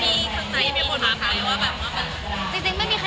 มันเหมือนกับมันเหมือนกับมันเหมือนกับ